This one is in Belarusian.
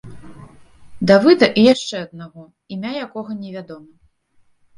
Давыда і яшчэ аднаго, імя якога не вядома.